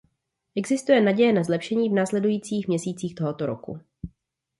Existuje naděje na zlepšení v následujících měsících tohoto roku.